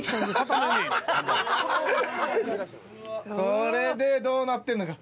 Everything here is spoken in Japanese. これでどうなってるのか。